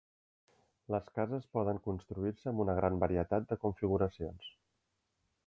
Les cases poden construir-se amb una gran varietat de configuracions.